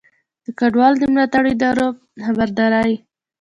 د کډوالو د ملاتړو ادارو خبرداری